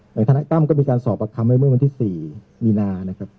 ทนายตั้มก็มีการสอบประคำไว้เมื่อวันที่๔มีนานะครับ